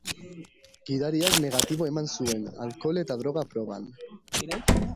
Gidariak negatibo eman zuen alkohol eta droga proban.